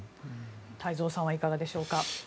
太蔵さんはいかがでしょうか。